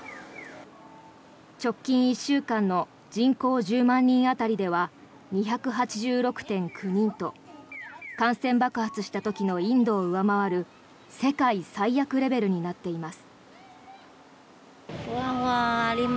直近１週間の人口１０万人当たりでは２８６．９人と感染爆発した時のインドを上回る世界最悪レベルになっています。